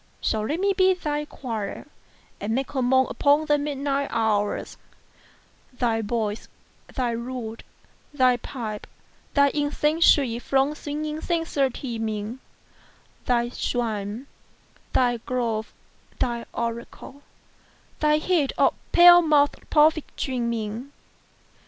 So let me be thy choir, and make a moan Upon the midnight hours; 45 Thy voice, thy lute, thy pipe, thy incense sweet From swingèd censer teeming: Thy shrine, thy grove, thy oracle, thy heat Of pale mouth'd prophet dreaming.